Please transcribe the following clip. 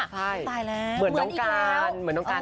เหมือนจองการ